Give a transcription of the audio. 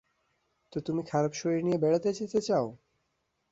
তো তুমি খারাপ শরীর নিয়ে বেড়াতে যেতে চাও?